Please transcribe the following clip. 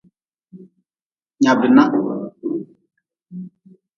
Nyabi nah.